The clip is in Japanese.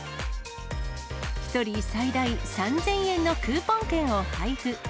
１人最大３０００円のクーポン券を配布。